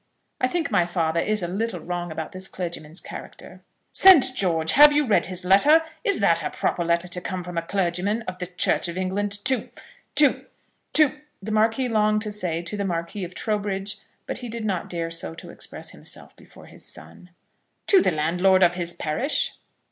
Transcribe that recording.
I think my father is a little wrong about this clergyman's character." "St. George! Have you read his letter? Is that a proper letter to come from a clergyman of the Church of England to to to " the Marquis longed to say to the Marquis of Trowbridge; but he did not dare so to express himself before his son, "to the landlord of his parish?"